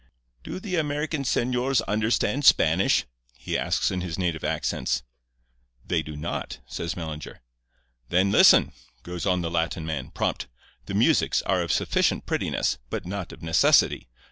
"'Do the American señors understand Spanish?' he asks in his native accents. "'They do not,' says Mellinger. "'Then listen,' goes on the Latin man, prompt. 'The musics are of sufficient prettiness, but not of necessity.